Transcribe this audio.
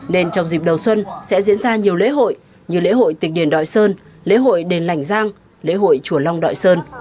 nên trong dịp đầu xuân sẽ diễn ra nhiều lễ hội như lễ hội tịch điền đội sơn lễ hội đền lành giang lễ hội chùa long đoại sơn